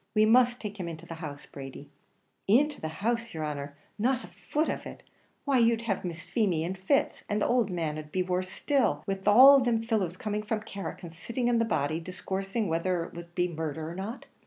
We must take him into the house, Brady." "Into the house, yer honer! not a foot of it! why, you'd have Miss Feemy in fits; and the owld man'd be worse still, wid all thim fellows coming from Carrick and sitting on the body, discoursing whether it wor to be murdher or not."